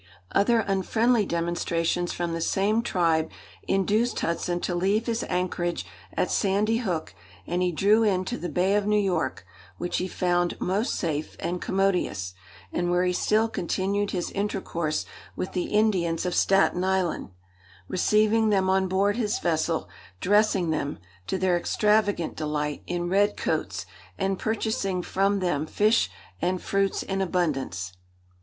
Other unfriendly demonstrations from the same tribe, induced Hudson to leave his anchorage at Sandy Hook, and he drew in to the Bay of New York, which he found most safe and commodious, and where he still continued his intercourse with the Indians of Staten Island, receiving them on board his vessel, dressing them, to their extravagant delight, in red coats, and purchasing from them fish and fruits in abundance.